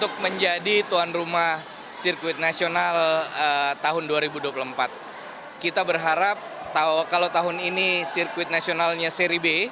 kita berharap kalau tahun ini sirkuit nasionalnya seri b